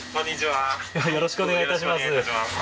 よろしくお願いします。